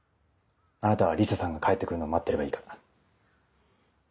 あなたはリサさんが帰って来るのを待ってればいいから。